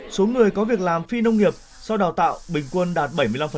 số người có việc làm phi nông nghiệp sau đào tạo bình quân đạt bảy mươi năm